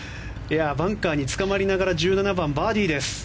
バンカーにつかまりながら１７番、バーディーです。